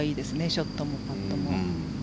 ショットもパットも。